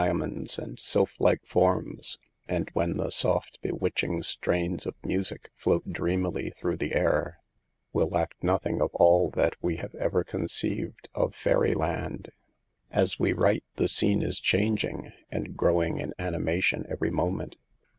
51 monds, and sylph like forms, and when the soft, bewitching strains of music float dreamily through the air, will lack nothing of all that we have ever conceived of fairy land. As we write the scene is changing, and growing in animation every moment.